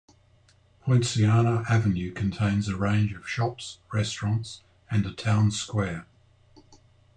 Poinciana Avenue contains a range of shops, restaurants and a town square.